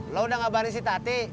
lo udah ngabarin si tati